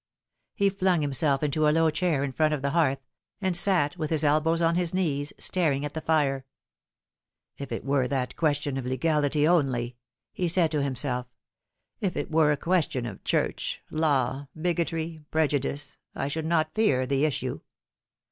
He flung himself into a low chair in front of the hearth, and sat with his elbows on his knees staring at the fire. " If it were that question of legality only," he said to him self, " if it were a question of Church, law, bigotry, prejudice, I should not fear the issue.